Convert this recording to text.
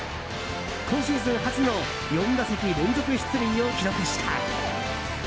今シーズン初の４打席連続出塁を記録した。